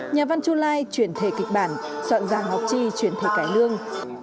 nhà văn chu lai chuyển thể kịch bản soạn giảng ngọc chi chuyển thể cải lương